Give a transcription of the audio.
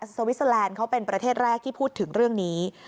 สวิสเตอร์แลนด์เขาเป็นประเทศแรกที่พูดถึงเรื่องนี้